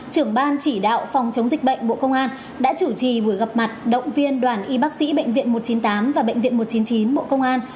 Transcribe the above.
trưởng ban chỉ đạo phòng chống dịch bệnh bộ công an đã chủ trì buổi gặp mặt động viên đoàn y bác sĩ bệnh viện một trăm chín mươi tám và bệnh viện một trăm chín mươi chín bộ công an